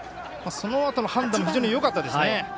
そのあとの判断も非常によかったですね。